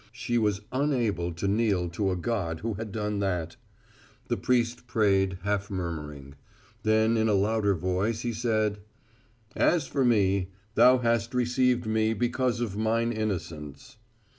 She was unable to kneel to a God who had done that. The priest prayed, half murmuring. Then in a louder voice he said, "As for me, Thou hast received me because of mine innocence."